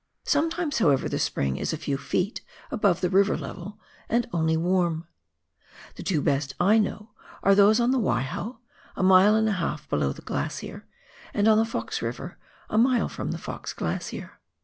Sometimes, however, the spring is a few feet above the river level and only warm. The two best I know are those on the Waiho, a mile and a half below the glacier, and on the Fox River, a mile from the Fox Glacier.